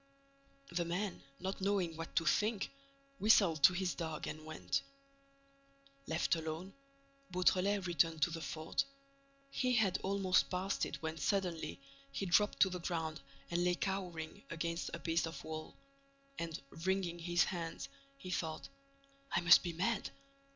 The man, not knowing what to think, whistled to his dog and went. Left alone, Beautrelet returned to the fort. He had almost passed it when, suddenly, he dropped to the ground and lay cowering against a piece of wall. And, wringing his hands, he thought: "I must be mad!